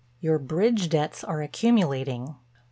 Your bridge debts are accumulating.